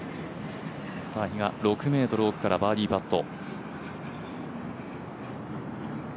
比嘉、６ｍ奥からバーディーパット。